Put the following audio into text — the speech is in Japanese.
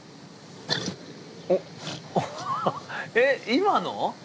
えっ今の？